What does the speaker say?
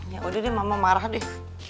ya udah deh mama marah deh